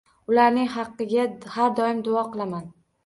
Ularning haqqiga har doim duo qilaman.